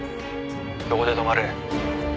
そこで止まれ。